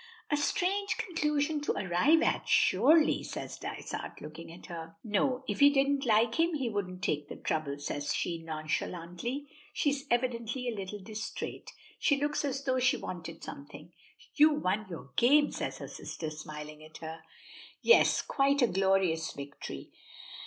"A strange conclusion to arrive at, surely," says Dysart, looking at her. "No. If he didn't like him, he wouldn't take the trouble," says she, nonchalantly. She is evidently a little distrait. She looks as though she wanted something. "You won your game?" says her sister, smiling at her. "Yes, quite a glorious victory.